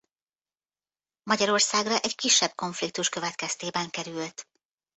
Magyarországra egy kisebb konfliktus következtében került.